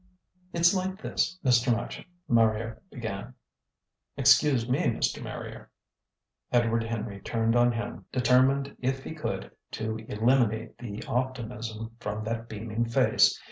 "It's like this, Mr. Machin," Marrier began. "Excuse me, Mr. Marrier," Edward Henry turned on him, determined if he could to eliminate the optimism from that beaming face.